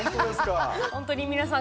本当に皆さん